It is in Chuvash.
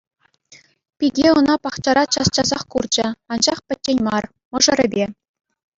Пике ӑна пахчара час-часах курчӗ, анчах пӗччен мар — мӑшӑрӗпе.